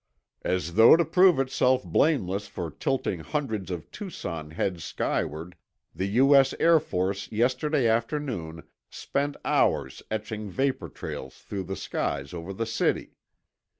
As though to prove itself blameless for tilting hundreds of Tucson heads skyward, the U.S. Air Force yesterday afternoon spent hours etching vapor trails through the skies over the city.